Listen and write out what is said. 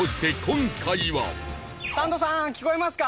サンドさん聞こえますか？